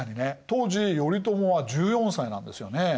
当時頼朝は１４歳なんですよね。